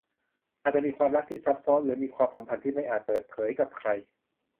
อาจจะมีความรักที่ซับซ้อนหรือมีความสัมพันธ์ที่ไม่อาจเปิดเผยกับใคร